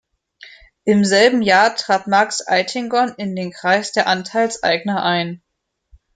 Im selben Jahr trat Max Eitingon in den Kreis der Anteilseigner ein.